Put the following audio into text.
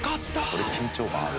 これ緊張感ある。